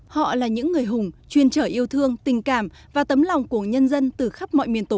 họ là những người hùng chuyên trở yêu thương tình cảm và tấm lòng của nhân dân từ khắp mọi miền tổ quốc